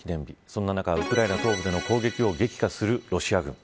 そんな中、ウクライナ東部での攻撃を激化するロシア軍。